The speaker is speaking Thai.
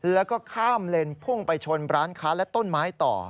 แล้วก็ข้ามเลนพุ่งไปชนร้านค้าและต้นไม้ต่อ